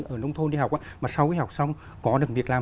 ở nông thôn đi học mà sau khi học xong có được việc làm